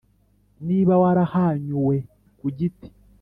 Niba warahwanyuwe ku giti